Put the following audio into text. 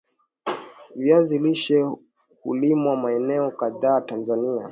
Viazi lishe hulimwa maeneo kadhaa TAnzania